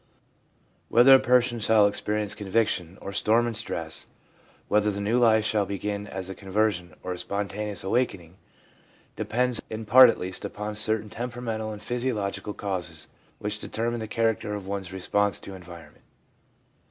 Whether a person shall experience ' conviction ' or 'storm and stress/ whether the new life shall begin as a ' conversion ' or a ' spontaneous awakenin j/ depends, ADOLESCENCE— STORM AND STRESS 225 in part at least, upon certain temperamental and physio logical causes, which determine the character of one's response to environment.